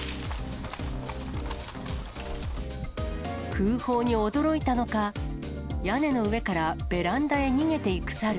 空砲に驚いたのか、屋根の上からベランダへ逃げていくサル。